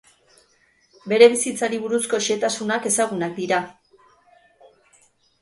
Bere bizitzari buruzko xehetasunak ezezagunak dira.